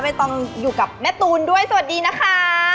ต้องอยู่กับแม่ตูนด้วยสวัสดีนะคะ